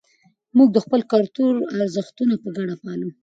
موږ د خپل کلتور ارزښتونه په ګډه پالو.